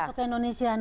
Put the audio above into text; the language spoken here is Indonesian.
masuk ke indonesia